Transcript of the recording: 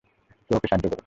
কেউ ওকে সাহায্য করুন!